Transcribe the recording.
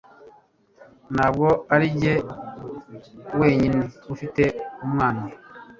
Ntabwo arinjye wenyine ufite umwana